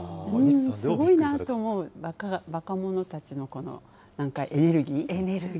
すごいなと思う、若者たちのこの、なんかエネルギー？